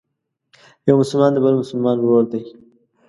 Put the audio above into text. یو مسلمان د بل مسلمان ورور دی.